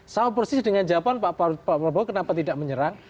sama persis dengan jawaban pak prabowo kenapa tidak menyerang